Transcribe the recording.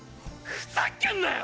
ふざけんなよ！